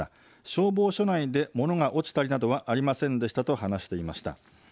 消防署内で物が落ちたりなどはありませんでしたと話していました。